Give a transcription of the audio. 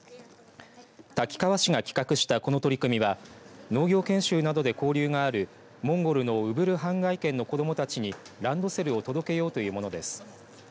滝川市が企画したこの取り組みは農業研修などで交流があるモンゴルのウブルハンガイ県の子どもたちにランドセルを届けようというものです。